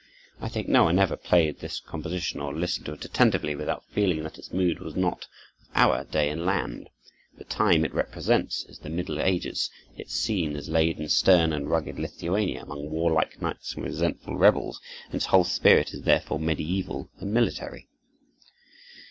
I think no one ever played this composition, or listened to it attentively, without feeling that its mood was not of our day and land. The time it represents is the middle ages, its scene is laid in stern and rugged Lithuania, among warlike knights and resentful rebels, and its whole spirit is therefore medieval and military.